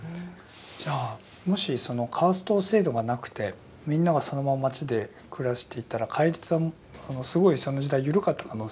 じゃあもしそのカースト制度がなくてみんながそのまま町で暮らしていたら戒律はすごいその時代緩かった可能性もあるってことですか？